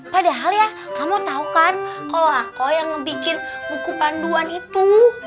padahal ya kamu tau kan kalau aku yang bikin buku panduan itu